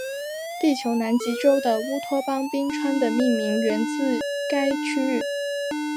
地球南极洲的乌托邦冰川的命名源自该区域。